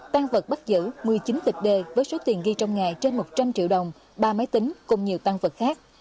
tăng vật bắt giữ một mươi chín tịch d với số tiền ghi trong nghề trên một trăm linh triệu đồng ba máy tính cùng nhiều tăng vật khác